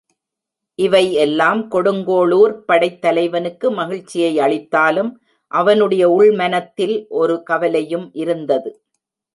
இவை எல்லாம் கொடுங்கோளுர்ப் படைத் தலைவனுக்கு மகிழ்ச்சியை அளித்தாலும் அவனுடைய உள் மனத்தில் ஒரு கவலையும் இருந்தது.